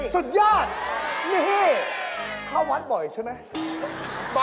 สุดยอดนี่เข้าวัดบ่อยใช่ไหม